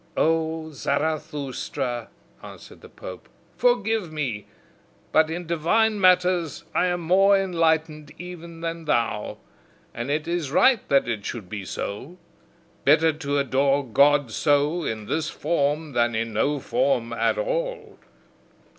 "O Zarathustra," answered the pope, "forgive me, but in divine matters I am more enlightened even than thou. And it is right that it should be so. Better to adore God so, in this form, than in no form at all!